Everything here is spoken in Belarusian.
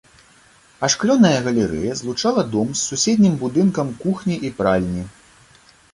Ашклёная галерэя злучала дом з суседнім будынкам кухні і пральні.